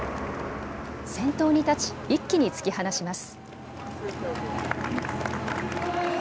先頭に立ち一気に突き放します。